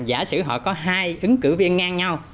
giả sử họ có hai ứng cử viên ngang nhau